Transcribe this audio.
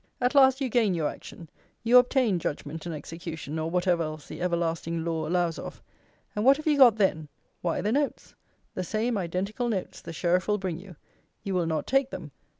At last you gain your action; you obtain judgment and execution, or whatever else the everlasting law allows of. And what have you got then? Why the notes; the same identical notes the Sheriff will bring you. You will not take them.